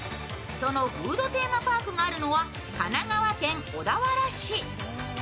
そのフードテーマパークがあるのは神奈川県小田原市。